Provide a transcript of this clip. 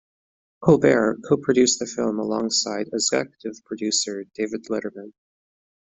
Colbert co-produced the film alongside executive producer David Letterman.